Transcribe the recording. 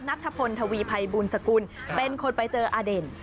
นัทธพลทวีภัยบุญสกุลเป็นคนไปเจออเด่น